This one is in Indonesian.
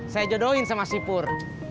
saya jodohin sama si pur